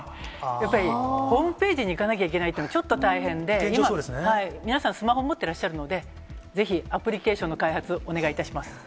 やっぱりホームページにいかなきゃいけないっていうのはちょっと大変で、今、皆さん、スマホ持ってらっしゃるので、ぜひアプリケーションの開発、お願いいたします。